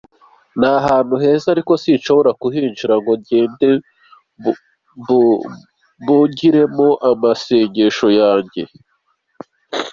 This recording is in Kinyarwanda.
Ni ahantu heza ariko sinshobora kuhinjira ngo ngende mbugiremo amasengesho yanjye.